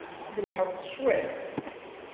I tmellḥeḍ-t cwiṭ?